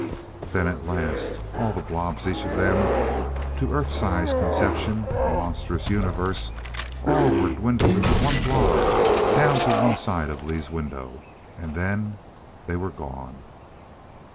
Then at last all the blobs each of them, to Earth size conception, a monstrous Universe all were dwindled into one blob down to one side of Lee's window. And then they were gone....